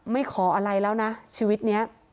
ขออะไรแล้วนะชีวิตนี้